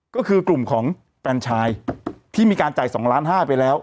ก็คือกลุ่มของแฟนชายที่มีการจ่าย๒ล้านห้าไปแล้ว